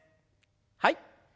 はい。